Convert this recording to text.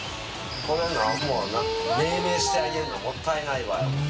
海なんも命名してあげないのもったいないわって。